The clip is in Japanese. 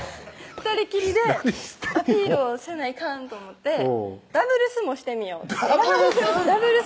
２人きりでアピールをせないかんと思って「ダブルスもしてみよう」ってダブルス？